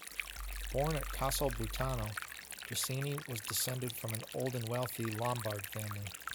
Born at Casalbuttano, Jacini was descended from an old and wealthy Lombard family.